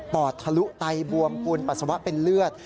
อดทะลุไตบวมปูนปัสสาวะเป็นเลือด